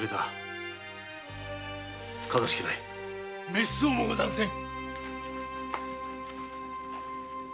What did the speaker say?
めっそうもござんせん。